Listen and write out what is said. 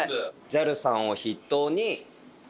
ＪＡＬさんを筆頭に。